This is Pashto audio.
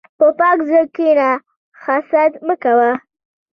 په پاک زړه کښېنه، حسد مه کوه.